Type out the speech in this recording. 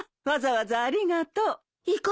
わざわざありがとう。